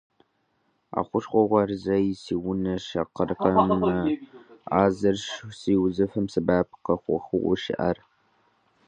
А хущхъуэгъуэр зэи си унэ щӀэкӀыркъым, а зырщ си узыфэм сэбэп къыхуэхъуу щыӀэр.